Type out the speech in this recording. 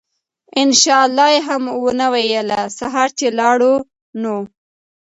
إن شاء الله ئي هم ونه ويله!! سهار چې لاړو نو